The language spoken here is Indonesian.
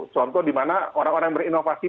contoh dimana orang orang yang berinovasi